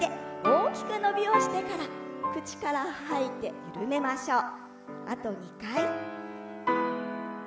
大きく伸びをしてから口から吐いて緩めましょう。